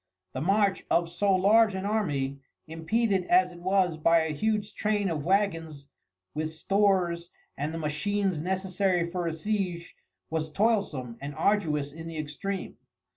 The march of so large an army, impeded as it was by a huge train of wagons with stores and the machines necessary for a siege, was toilsome and arduous in the extreme.